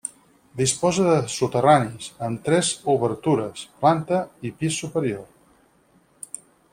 Disposa de soterranis, amb tres obertures, planta i pis superior.